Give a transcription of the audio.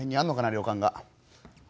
旅館が。